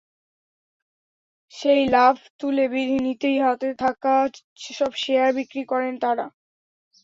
সেই লাভ তুলে নিতেই হাতে থাকা সেসব শেয়ার বিক্রি করেন তাঁরা।